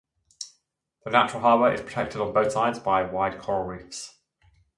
The natural harbour is protected on both sides by wide coral reefs.